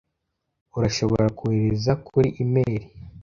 Urashobora kohereza kuri imeri?